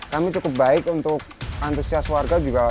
kami cukup baik untuk antusias warga juga